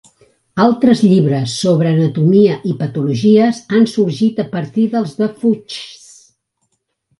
Altres llibres sobre anatomia i patologies han sorgit a partir del de Fuchs.